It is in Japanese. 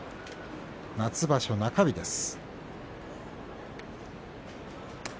夏場所、中日です。